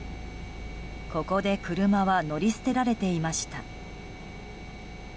ここで車は乗り捨てられていました。